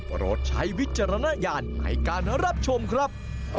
โปรดใช้วิจารณญาณในการรับชมครับ